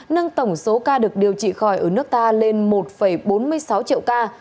nâng tổng số ca được điều trị khỏi ở nước ta lên một bốn mươi sáu triệu ca